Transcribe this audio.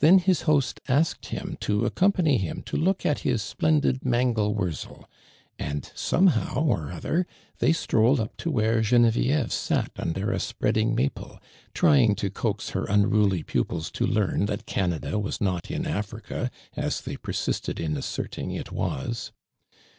Then liis host asked him to accompany him to look at his splendid mangel wurzel, and somehow or other they strolled up to where (fenovieve sat under a spreading maple, trying to coax h<pr unruly pupils to learn that Canada was not in Afi'ica, as they per sisted in asserting it was.